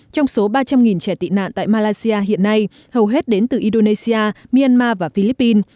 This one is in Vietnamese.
trong số ba trăm linh trẻ tị nạn tại malaysia hiện nay hầu hết đến từ indonesia myanmar và philippines